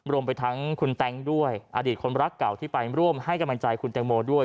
รวมไปทั้งคุณแต๊งด้วยอดีตคนรักเก่าที่ไปร่วมให้กำลังใจคุณแตงโมด้วย